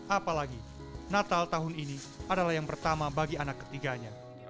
apalagi natal tahun ini adalah yang pertama bagi anak ketiganya